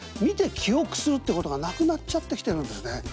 見て記憶するってことがなくなっちゃってきてるんですね。